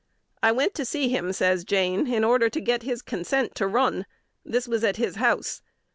"I went to see him," says Jayne, "in order to get his consent to run. This was at his house.